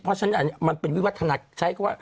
เพราะฉะนั้นมันเป็นวิวัฒนาการ